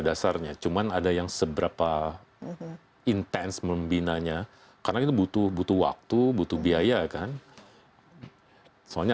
dasarnya cuman ada yang seberapa intens membinanya karena itu butuh butuh waktu butuh biaya kan soalnya